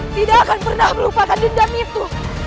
tidak akan pernah melupakan dendam itu